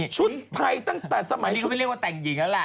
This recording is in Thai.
ชุดไทยตั้งแต่สมัยชุดเรียกว่าแต่งหญิงแล้วล่ะ